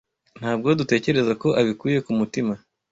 Ntabwo dutekereza ko abikuye ku mutima.